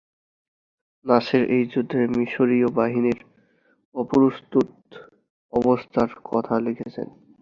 নাসের এই যুদ্ধে মিশরীয় বাহিনীর অপ্রস্তুত অবস্থার কথা লিখেছিলেন।